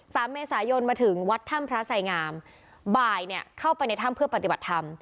สามเมษายนมาถึงวัดถ้ำพระไสงามบ่ายเนี่ยเข้าไปในถ้ำเพื่อปฏิบัติธรรม